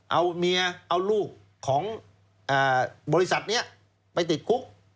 เอาเมียเอาลูกของบริษัทนี้ไปติดคุก